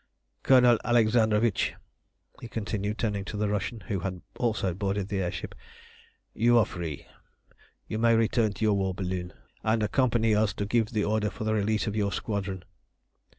Colonel Alexandrovitch," he continued, turning to the Russian, who had also boarded the air ship, "you are free. You may return to your war balloon, and accompany us to give the order for the release of your squadron."